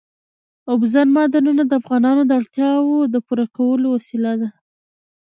اوبزین معدنونه د افغانانو د اړتیاوو د پوره کولو وسیله ده.